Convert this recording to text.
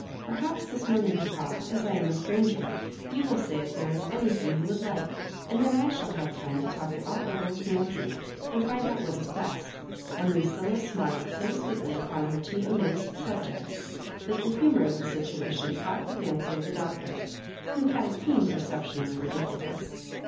Perhaps this morning, papa, as I am a stranger, you will say if there is anything you would like, and then I shall have time to talk it all over with Nancy, and find out what is bo«r.' and Lucilla smiled so sweetly upon her two aiaazed subjects that the humour of the situation caught the fancy of the Doctor, who had a keen perception of the ridicu lous.